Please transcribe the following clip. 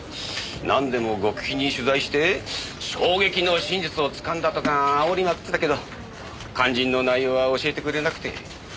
なんでも極秘に取材して衝撃の真実をつかんだとかあおりまくってたけど肝心の内容は教えてくれなくて。